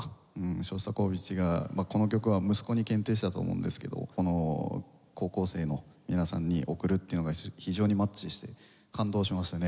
ショスタコーヴィチがこの曲は息子に献呈したと思うんですけどこの高校生の皆さんに贈るっていうのが非常にマッチして感動しましたね。